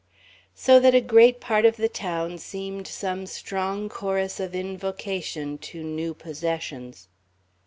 So that a great part of the town seemed some strong chorus of invocation to new possessions.